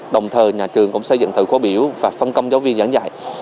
đồng thời nhà trường cũng xây dựng thờ khố biểu và phân công giáo viên giảng dạy